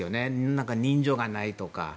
何か人情がないとか。